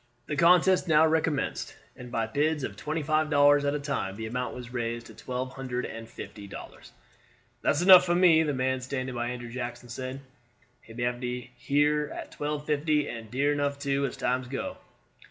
The contest now recommenced, and by bids of twenty five dollars at a time the amount was raised to twelve hundred and fifty dollars. "That's enough for me," the man standing by Andrew Jackson said; "he may have her at twelve fifty, and dear enough, too, as times go."